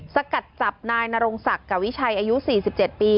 สกัดจับนายนรงศักดิ์กวิชัยอายุ๔๗ปี